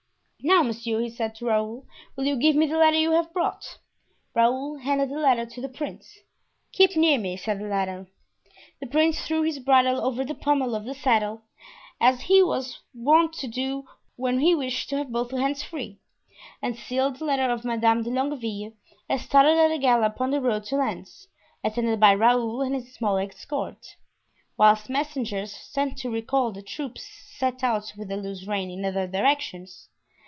"Now, monsieur," he said to Raoul, "will you give me the letter you have brought?" Raoul handed the letter to the prince. "Keep near me," said the latter. The prince threw his bridle over the pommel of the saddle, as he was wont to do when he wished to have both hands free, unsealed the letter of Madame de Longueville and started at a gallop on the road to Lens, attended by Raoul and his small escort, whilst messengers sent to recall the troops set out with a loose rein in other directions.